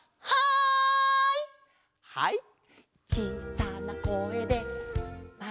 はい。